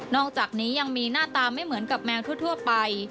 อกจากนี้ยังมีหน้าตาไม่เหมือนกับแมวทั่วไป